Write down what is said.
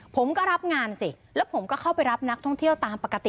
ผมก็รับงานสิแล้วผมก็เข้าไปรับนักท่องเที่ยวตามปกติ